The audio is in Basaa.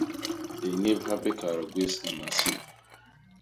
Di ñébha bikaat gwés ni masin.